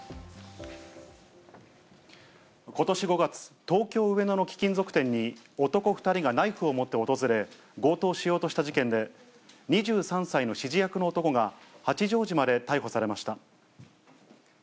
ことし５月、東京・上野の貴金属店に、男２人がナイフを持って訪れ、強盗しようとした事件で、２３歳の指示役の男が八丈島で逮捕されました。